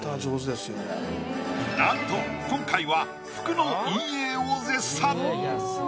なんと今回は服の陰影を絶賛。